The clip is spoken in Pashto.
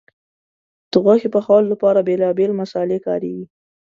د غوښې پخولو لپاره بیلابیل مسالې کارېږي.